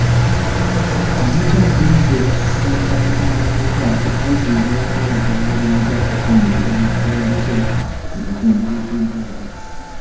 Abadde agenze kusisinkana abavubuka okubazimba n'okubalaga bwe bayinza okwenyigira mu bukulembeze mu mitendera egy'enjawulo.